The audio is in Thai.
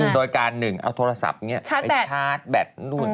โดยการ๑เอาโทรศัพท์เนี่ยไปชาร์จแบต